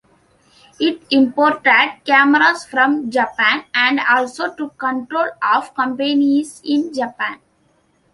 It imported cameras from Japan and also took control of companies in Japan.